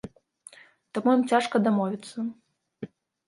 Таму ім цяжка дамовіцца.